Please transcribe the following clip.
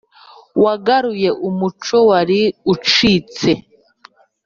Wagaruye umuco wari ucitse